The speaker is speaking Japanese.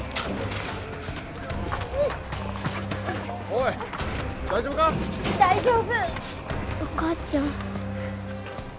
お母ちゃん。